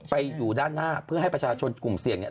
อยู่ด้านหน้าเพื่อให้ประชาชนกลุ่มเสี่ยงเนี่ย